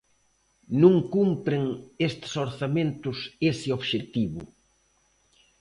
Non cumpren estes orzamentos ese obxectivo.